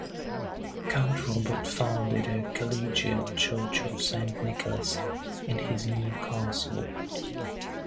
Count Robert founded a collegiate church of Saint Nicholas in his new castle.